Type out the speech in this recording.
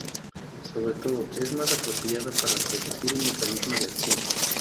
Sobre todo, es más apropiada para deducir un mecanismo de acción.